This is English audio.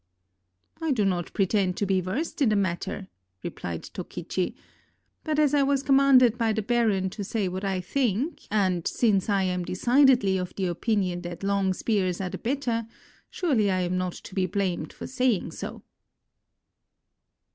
"I do not pretend to be versed in the matter," replied Tokichi, "but as I was commanded by the baron to say what I think, and since I am decidedly of the opinion that long spears are the better, surely I am not to be blamed for saying so."